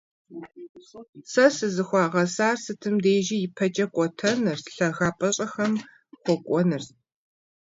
Сэ сызыхуагъэсар сытым дежи ипэкӏэ кӏуэтэнырщ, лъагапӏэщӏэхэм хуэкӏуэнырщ.